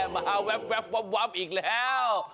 มาแว๊บวับอีกแล้ว